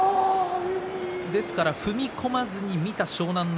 ですから踏み込まずに見た湘南乃